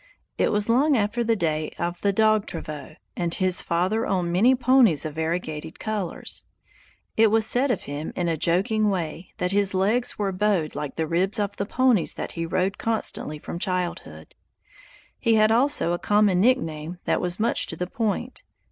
It was long after the day of the dog travaux, and his father owned many ponies of variegated colors. It was said of him in a joking way that his legs were bowed like the ribs of the ponies that he rode constantly from childhood. He had also a common nickname that was much to the point.